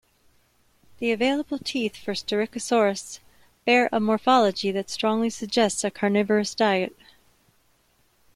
The available teeth for "Staurikosaurus" bear a morphology that strongly suggests a carnivorous diet.